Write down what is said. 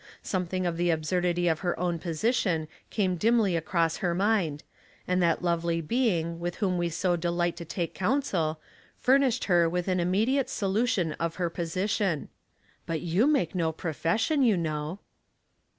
Something of the absurdity of hei own position came dimly across her mind, and that lovely being with whom we so delight to take counsel, furnished her with an immediate solution of her position, *' But you make no profession, you know."